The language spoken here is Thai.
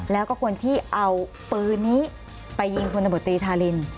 แล้วก็คนที่เอาปืนนี้ไปยิงพลตำรวจตรีธาริน